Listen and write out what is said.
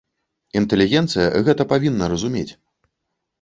Інтэлігенцыя гэта павінна разумець.